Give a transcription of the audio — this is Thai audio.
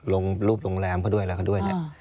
ลงรูปโรงแรมเขาด้วยอะไรเขาด้วยเนี่ย